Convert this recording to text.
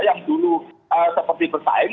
yang dulu seperti persaing